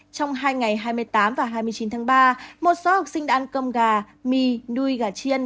trong hai ngày hai mươi tám và hai mươi chín tháng ba một số học sinh ăn cơm gà mì nuôi gà chiên